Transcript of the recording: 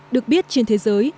được biết trên thế giới